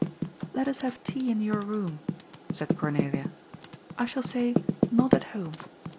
^ Let us have tea in your room," said Cornelia. ^^ I shall say ' not at home.'